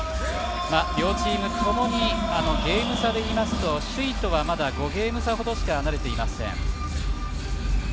両チームともにゲーム差でいいますと首位とは５ゲーム差ほどしか離れていません。